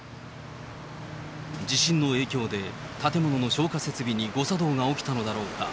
地震の影響で、建物の消火設備に誤作動が起きたのだろうか。